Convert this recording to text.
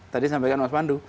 tadi sampaikan mas pandu